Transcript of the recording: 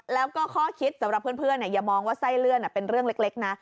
แล้วก็ข้อคิดสำหรับเพื่อนอย่ามองว่าไส้เลื่อนเป็นเรื่องเล็กนะ